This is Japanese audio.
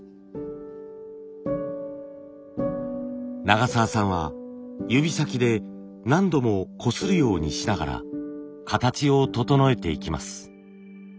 永澤さんは指先で何度もこするようにしながら形を整えていきます。